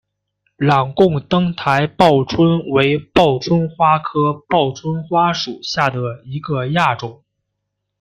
朗贡灯台报春为报春花科报春花属下的一个亚种。